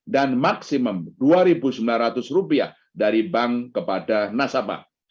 dan maksimum rp dua sembilan ratus dari bank kepada nasabah